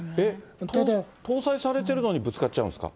搭載されてるのにぶつかっちゃうんですか。